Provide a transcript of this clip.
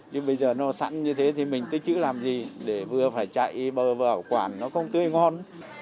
bây giờ nó sẵn như thế thì mình tích chữ làm gì để vừa phải chạy bờ vào quản nó không tươi ngon